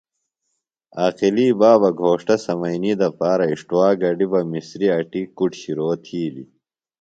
عاقلی بابہ گھوݜٹہ سمنئینی دپارہ اِݜٹوا گڈِیۡ بہ مسریۡ اٹیۡ کُڈ شرو تِھیلیۡ۔